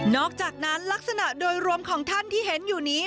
อกจากนั้นลักษณะโดยรวมของท่านที่เห็นอยู่นี้